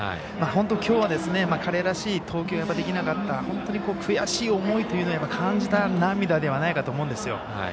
本当にきょうは彼らしい投球ができなかった本当に悔しい思いというのを感じた涙ではないかと思うんですよ。